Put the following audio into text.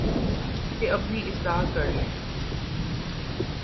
کہ اپنی اصلاح کر لیں